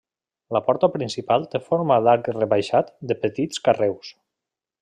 La porta principal té forma d'arc rebaixat de petits carreus.